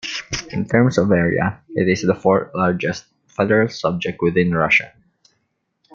In terms of area, it is the fourth-largest federal subject within Russia.